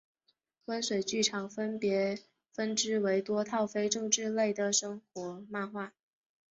温水剧场分别分支为多套非政治类的生活漫画